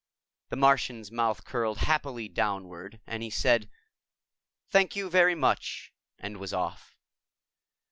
The Martian's mouth curled happily downward and he said, "Thank you very much," and was off.